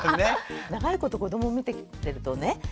長いこと子ども見てきてるとね